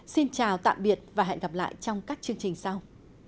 xin chào tạm biệt và hẹn gặp lại trong các chương trình sau